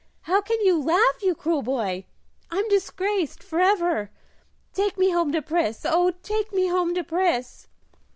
how can you laugh, you cruel boy? I'm disgraced, forever take me home to Pris, oh, take me home to Pris!"